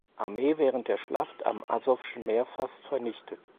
Armee während der Schlacht am Asowschen Meer fast vernichtet.